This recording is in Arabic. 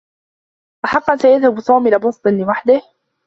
أحقّا سيذهب توم إلى بوسطن لوحده؟